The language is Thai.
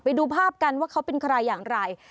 ไปดูภาพกันว่าเขาเป็นใครอย่างไร